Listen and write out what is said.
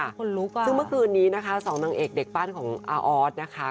คนลุกอ่ะซึ่งเมื่อคืนนี้นะคะสองนางเอกเด็กปั้นของอาออสนะคะ